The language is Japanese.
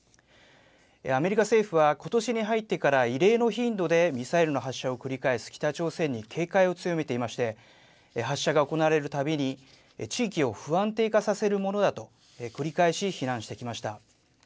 アメリカ政府はことしに入ってから異例の頻度でミサイルの発射を繰り返す北朝鮮に警戒を強めていまして、発射が行われるたびに、地域を不安定化させるものだと、繰り返し非難してきました。